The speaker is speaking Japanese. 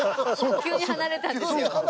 急に離れたんですよ。